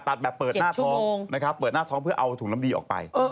ตัดแบบเปิดหน้าท้องนะครับเปิดหน้าท้องเพื่อเอาถุงน้ำดีออกไป